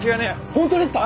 本当ですか？